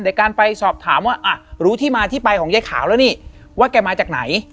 ในการไปสอบถามว่าอ่ะรู้ที่มาที่ไปของยายขาวแล้วนี่ว่าแกมาจากไหน